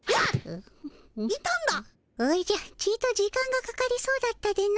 ちと時間がかかりそうだったでの。